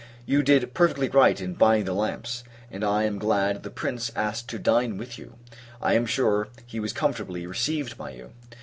You did perfectly right in buying the lamps; and I am glad the Prince asked to dine with you. I am sure, he was comfortably received by you.